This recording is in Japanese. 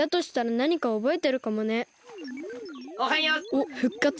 おっふっかつ？